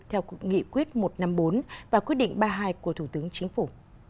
theo cục nghị quyết một trăm năm mươi bốn và quyết định ba mươi hai của thủ tướng chính phủ